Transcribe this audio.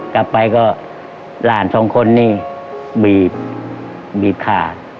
กลับไปก็หลานสองคนนี่บีบบีบขาด